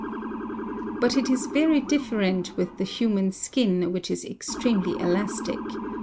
But it is very different with the human skin, which is extremely _ elastic.